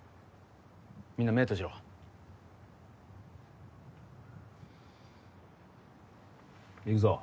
みんな目閉じろいくぞ